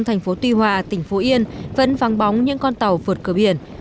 thành phố tuy hòa tỉnh phú yên vẫn vắng bóng những con tàu vượt cửa biển